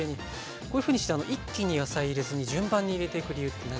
こういうふうにして一気に野菜入れずに順番入れていく理由って何かあるんですか？